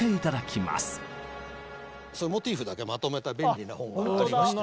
そのモチーフだけまとめた便利な本がありまして。